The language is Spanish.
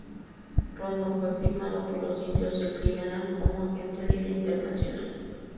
Rondón fue firmado por los Indios de Cleveland como agente libre internacional.